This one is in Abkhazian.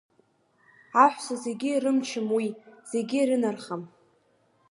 Аҳәса зегьы ирымчым уи, зегьы ирынархам!